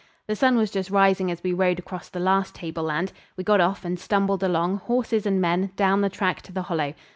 The sun was just rising as we rode across the last tableland. We got off and stumbled along, horses and men, down the track to the Hollow.